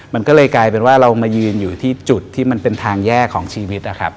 มันก็เลยกลายเป็นว่าเรามายืนอยู่ที่จุดที่มันเป็นทางแยกของชีวิตนะครับ